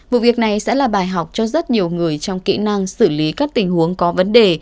vụ việc này sẽ là bài học cho rất nhiều người trong kỹ năng xử lý các tình huống có vấn đề